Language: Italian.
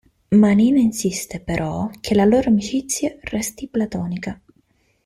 Manina insiste, però, che la loro amicizia resti platonica.